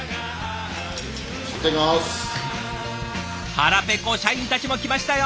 腹ぺこ社員たちも来ましたよ！